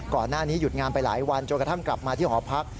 ก่อนหน้านี้หยุดงานไปหลายวันจนกระทั่งกลับมาที่หอพัก